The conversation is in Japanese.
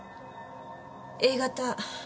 Ａ型。